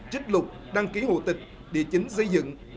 trích lục đăng ký hồ tịch địa chính xây dựng